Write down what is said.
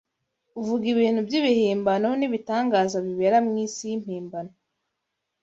Uvuga ibintu by’ibihimbano n’ibitangaza bibera mu isi y’impimbano